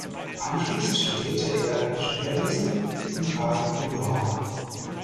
Anschließend studierte er Ingenieurwesen in Padua.